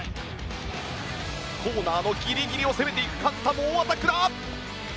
コーナーのギリギリを攻めていく勝田猛アタックだ！